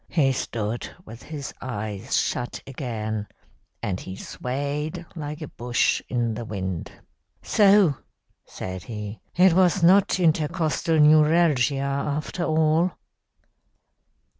He stood with his eyes shut again, and he swayed like a bush in the wind. "'So,' said he, 'it was not intercostal neuralgia after all.'